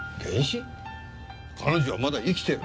彼女はまだ生きてる。